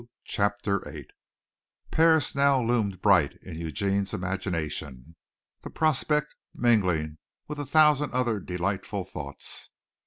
CHAPTER VIII Paris now loomed bright in Eugene's imagination, the prospect mingling with a thousand other delightful thoughts.